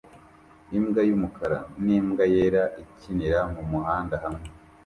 Imbwa y'umukara n'imbwa yera ikinira mumuhanda hamwe